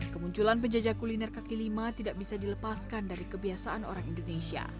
kemunculan penjajah kuliner kaki lima tidak bisa dilepaskan dari kebiasaan orang indonesia